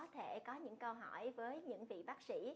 để có những câu hỏi với những vị bác sĩ